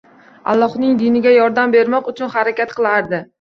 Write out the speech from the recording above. Allohning diniga yordam bermoq uchun harakat qilardi.